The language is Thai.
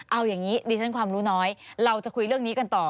เอาอย่างนี้ดิฉันความรู้น้อยเราจะคุยเรื่องนี้กันต่อ